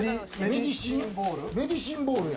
メディシンボールや。